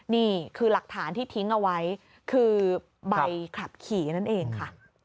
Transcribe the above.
นี่คือหลักฐานที่ทิ้งเอาไว้คือใบขับขี่นั่นเองค่ะ